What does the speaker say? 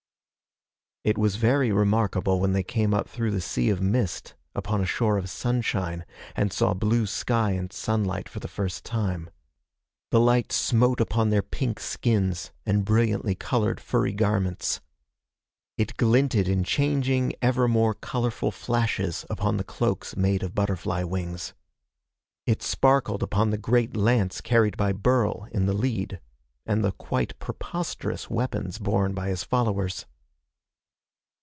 It was very remarkable when they came up through the sea of mist upon a shore of sunshine, and saw blue sky and sunlight for the first time. The light smote upon their pink skins and brilliantly colored furry garments. It glinted in changing, ever more colorful flashes upon the cloaks made of butterfly wings. It sparkled upon the great lance carried by Burl in the lead, and the quite preposterous weapons borne by his followers.